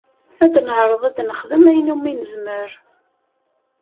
Ad neɛreḍ ad nexdem ayen umi nezmer.